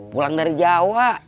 pulang dari jawa